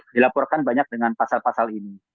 dilaporkan banyak dengan pasal pasal ini